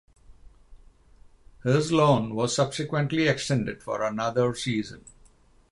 His loan was subsequently extended for another season.